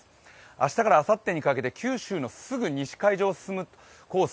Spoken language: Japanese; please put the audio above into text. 明日からあさってにかけて九州のすぐ西海上を進むコース